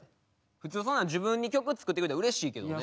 普通そんなん自分に曲作ってくれたらうれしいけどね。